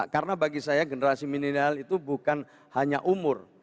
karena bagi saya generasi milenial itu bukan hanya umur